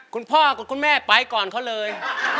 คุณพ่อกับคุณแม่ไปก่อนเขาเลย